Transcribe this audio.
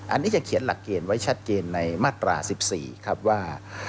อันนี้จะเขียนหลักเกณฑ์ไว้ชัดเจนในมาตรา๑๔ครับว่า